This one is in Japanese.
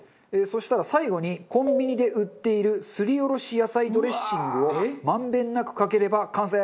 そしたら最後にコンビニで売っているすりおろし野菜ドレッシングを満遍なくかければ完成。